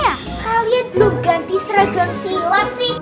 iya kalian belum ganti seragam siluan sih